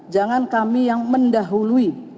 jangan kami yang mendahului